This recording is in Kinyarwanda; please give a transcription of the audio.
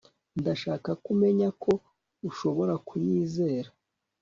ndashaka ko umenya ko ushobora kunyizera